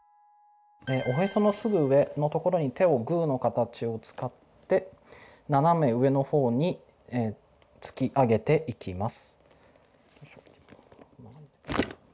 おへそのすぐ上のところに手をグーの形を使って斜め上のほうに突き上げていきます。